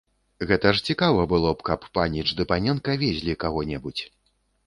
Гэта ж цікава было б, каб паніч ды паненка везлі каго-небудзь.